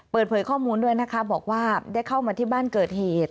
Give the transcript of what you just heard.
เปิดเผยข้อมูลด้วยนะคะบอกว่าได้เข้ามาที่บ้านเกิดเหตุ